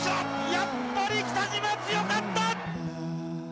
やっぱり北島強かった！